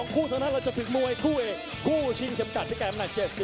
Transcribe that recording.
โปรดติดตามต่อไป